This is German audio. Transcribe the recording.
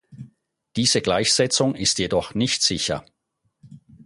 Diese Gleichsetzung ist jedoch nicht sicher.